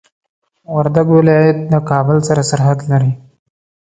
وردګ ولايت د کابل سره سرحد لري.